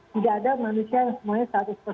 tidak ada manusia yang semuanya